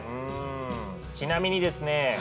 ちなみにですね